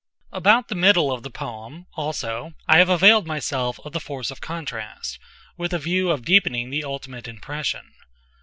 About the middle of the poem, also, I have availed myself of the force of contrast, with a view of deepening the ultimate impression.